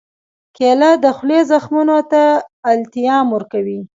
کېله د خولې زخمونو ته التیام ورکوي.